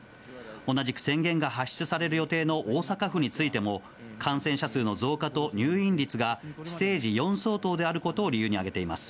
同じく宣言が発出される予定の大阪府についても、感染者数の増加と入院率が、ステージ４相当であることを理由に挙げています。